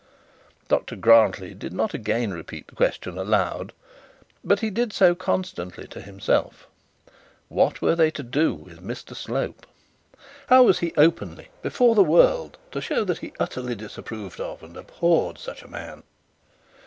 "' Dr Grantly did not again repeat the question aloud, but he did so constantly to himself, 'What were they to do with Mr Slope?' How was he openly, before the world, to show that he utterly disapproved of and abhorred such a man?